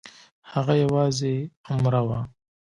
هغه یوازې عمره وه.